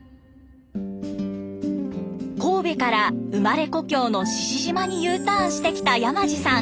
神戸から生まれ故郷の志々島にＵターンしてきた山地さん。